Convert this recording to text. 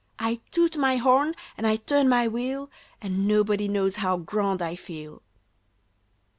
I toot my horn and I turn my wheel, And nobody knows how grand I feel!"